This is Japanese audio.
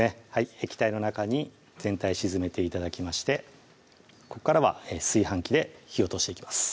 液体の中に全体沈めて頂きましてここからは炊飯器で火を通していきます